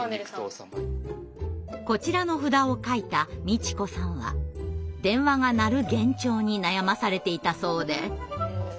こちらの札をかいたみちこさんは電話が鳴る幻聴に悩まされていたそうで。